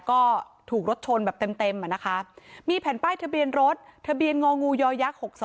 ก็ถูกรถชนแบบเต็มอ่ะนะคะมีแผ่นป้ายทะเบียนรถทะเบียนงองูยอยักษ๖๒